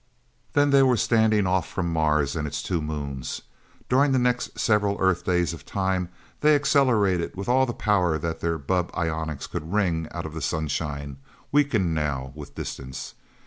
Then they were standing off from Mars and its two moons. During the next several Earth days of time, they accelerated with all the power that their bubb ionics could wring out of the sunshine, weakened now, with distance.